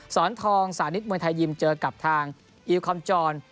สอนทองสานิทมวยไทยยิมเจอกับทางอิลคอมจร